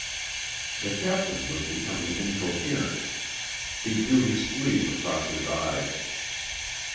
The captain was becoming incoherent. He drew his sleeve across his eyes.